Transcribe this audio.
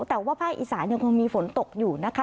แต่ว่าภาคอีสานยังคงมีฝนตกอยู่นะคะ